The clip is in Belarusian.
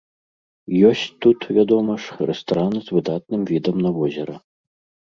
Ёсць тут, вядома ж, рэстараны з выдатным відам на возера.